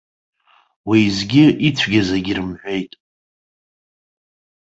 Уеизгьы ицәгьаз егьрымҳәеит.